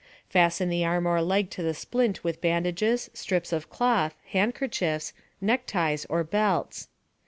Fasten the arm or leg to the splint with bandages, strips of cloth, handkerchiefs, neckties, or belts.